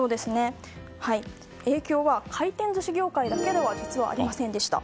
影響は回転寿司業界だけでは実はありませんでした。